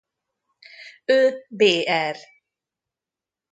Ő br.